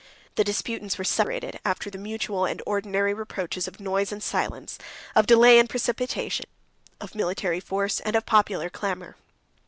The disputants were separated, after the mutual and ordinary reproaches of noise and silence, of delay and precipitation, of military force and of popular clamor.